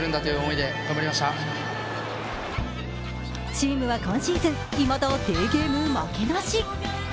チームは今シーズンいまだデーゲーム負けなし。